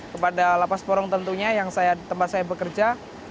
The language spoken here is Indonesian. kepada lapas porong tentunya yang tempat saya bekerja